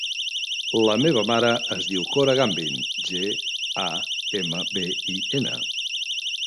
La meva mare es diu Cora Gambin: ge, a, ema, be, i, ena.